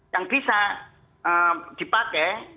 yang bisa dipakai